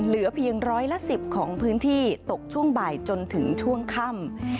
เหลือเพียงร้อยละ๑๐ของพื้นที่ตกช่วงบ่ายจนถึงช่วงค่ำ